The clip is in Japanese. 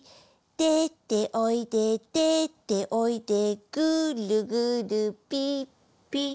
「でておいででておいでぐるぐるぴっぴ」